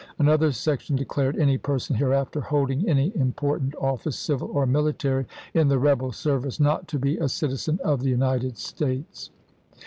Another section declared any person hereafter holding any important office, civil or military, in the rebel service not to be a citizen of the United States.